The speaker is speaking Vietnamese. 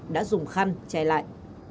đã dùng khăn chạy lại